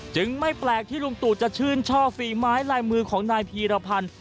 ไม่แปลกที่ลุงตู่จะชื่นชอบฝีไม้ลายมือของนายพีรพันธ์